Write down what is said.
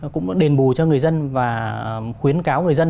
cũng đền bù cho người dân và khuyến cáo người dân